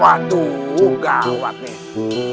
waduh gawat nih